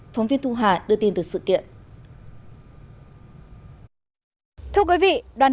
phóng viên thu hà đưa tin từ sự kiện